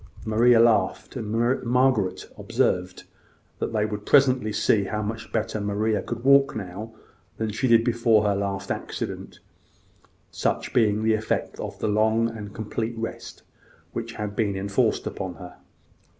Maria laughed; and Margaret observed that they would presently see how much better Maria could walk now than she did before her last accident, such being the effect of the long and complete rest which had been enforced upon her.